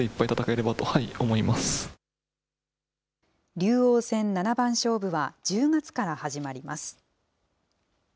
竜王戦七番勝負は１０月から始まります。